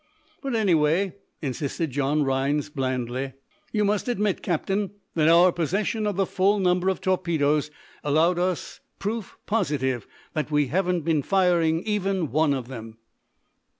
"But, anyway," insisted John Rhinds, blandly, "you must admit, Captain, that our possession of the full number of torpedoes allowed us is proof positive that we haven't been firing even one of them."